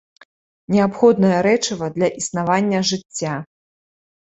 Неабходнае рэчыва для існавання жыцця.